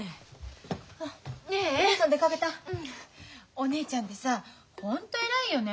お姉ちゃんってさホント偉いよね。